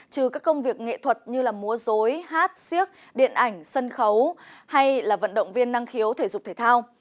trừ các công việc nghệ thuật như múa dối hát siếc điện ảnh sân khấu hay là vận động viên năng khiếu thể dục thể thao